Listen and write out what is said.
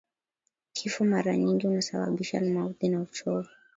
Kifo mara nyingi unasababishwa na maudhi au uchovu